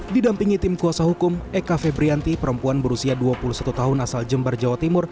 didampingi tim kuasa hukum eka febrianti perempuan berusia dua puluh satu tahun asal jember jawa timur